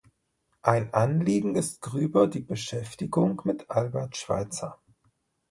Ein Anliegen ist Grüber die Beschäftigung mit Albert Schweitzer.